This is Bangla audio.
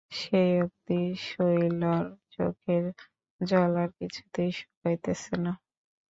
সেই অবধি শৈলর চোখের জল আর কিছুতেই শুকাইতেছে না।